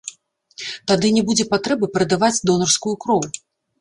Тады не будзе патрэбы прадаваць донарскую кроў.